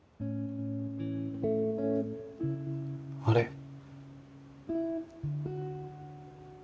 あれ？